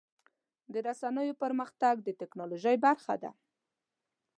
د رسنیو پرمختګ د ټکنالوژۍ برخه ده.